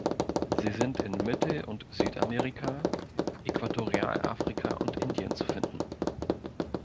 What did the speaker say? Sie sind in Mittel- und Südamerika, Äquatorialafrika und Indien zu finden.